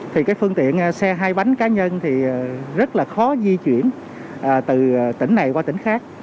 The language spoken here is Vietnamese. thì cái phương tiện xe hai bánh cá nhân thì rất là khó di chuyển từ tỉnh này qua tỉnh khác